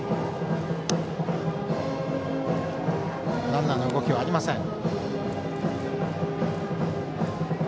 ランナーの動きはありません。